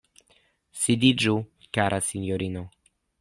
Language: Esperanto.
Sidiĝu, kara sinjorino.